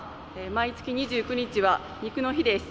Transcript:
毎月２９日は肉の日です。